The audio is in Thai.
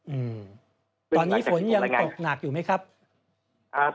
อืมตอนนี้ฝนยังตกหนักอยู่ไหมครับครับ